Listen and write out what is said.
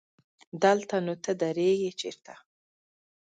دلته نو ته درېږې چېرته؟